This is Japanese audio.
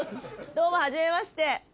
どうもはじめまして。